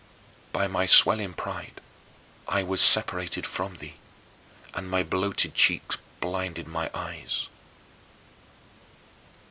By my swelling pride I was separated from thee, and my bloated cheeks blinded my eyes.